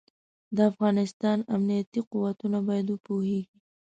د افغانستان امنيتي قوتونه بايد وپوهېږي.